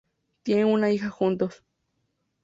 Tienen una hija juntos.